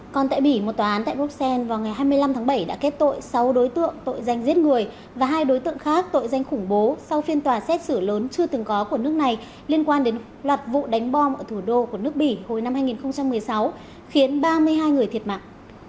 còn tại bỉ một tòa án tại bruxelles vào ngày hai mươi năm tháng bảy đã kết tội sáu đối tượng tội danh giết người và hai đối tượng khác tội danh khủng bố sau phiên tòa xét xử lớn chưa từng có của nước này liên quan đến loạt vụ đánh bom ở thủ đô của nước bỉ hồi năm hai nghìn một mươi sáu khiến ba mươi hai người thiệt mạng